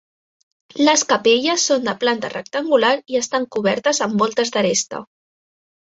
Les capelles són de planta rectangular i estan cobertes amb voltes d'aresta.